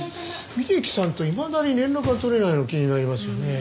峯木さんといまだに連絡が取れないの気になりますよね。